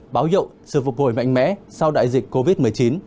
báo hiệu sự phục hồi mạnh mẽ sau đại dịch covid một mươi chín